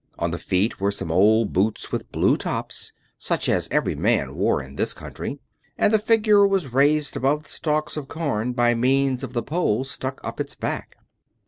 On the feet were some old boots with blue tops, such as every man wore in this country, and the figure was raised above the stalks of corn by means of the pole stuck up its back.